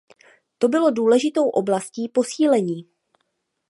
To bylo důležitou oblastí posílení.